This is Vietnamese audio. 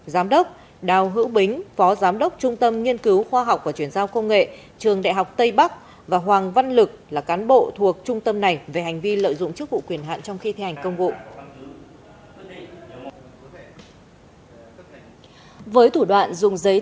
giám đốc đào hữu bính phó giám đốc trung tâm nghiên cứu khoa học và chuyển giao công nghệ trường đại học tây bắc và hoàng văn lực là cán bộ thuộc trung tâm này về hành vi lợi dụng chức vụ quyền hạn trong khi thi hành công vụ